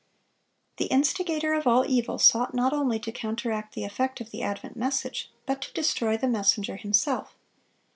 (562) The instigator of all evil sought not only to counteract the effect of the advent message, but to destroy the messenger himself.